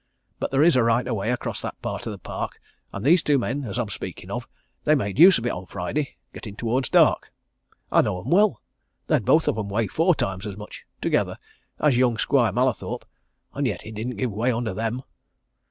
But there is a right of way across that part of the park, and these two men as I'm speaking of they made use of it on Friday getting towards dark. I know 'em well they'd both of 'em weigh four times as much together as young Squire Mallathorpe, and yet it didn't give way under them.